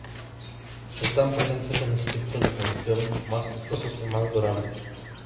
Están presentes en los tipos de construcción más costosos y más durables.